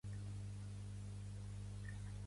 Sumatra i Borneo.